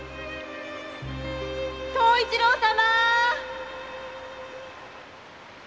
「東一郎様」